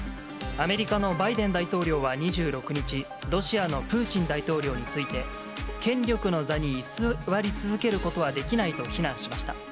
アメリカのバイデン大統領は２６日、ロシアのプーチン大統領について、権力の座に居座り続けることはできないと非難しました。